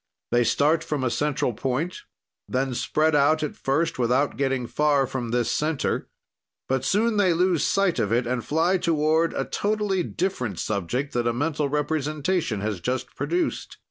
"They start from a central point, then spread out, at first without getting far from this center, but soon they lose sight of it and fly toward a totally different subject that a mental representation has just produced.